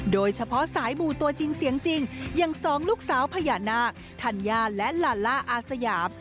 โดยเฉพาะสายหมู่ตัวจริงเสียงจริงอย่างสองลูกสาวพญานาคธัญญาและลาล่าอาสยาม